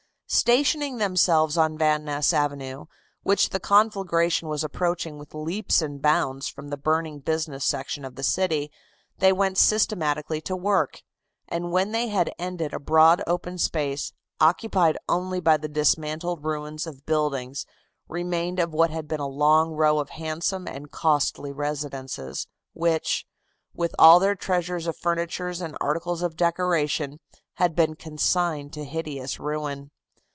Stationing themselves on Van Ness Avenue, which the conflagration was approaching with leaps and bounds from the burning business section of the city, they went systematically to work, and when they had ended a broad open space, occupied only by the dismantled ruins of buildings, remained of what had been a long row of handsome and costly residences, which, with all their treasures of furniture and articles of decoration, had been consigned to hideous ruin.